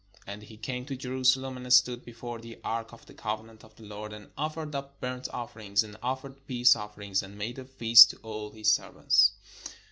And he came to Jerusalem, and stood before the ark of the 561 PALESTINE covenant of the Lord, and offered up burnt offerings, and offered peace offerings, and made a feast to all his servants.